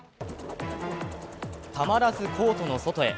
たまらずコートの外へ。